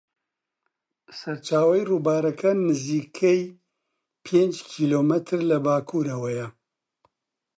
سەرچاوەی ڕووبارەکە نزیکەی پێنج کیلۆمەتر لە باکوورەوەیە.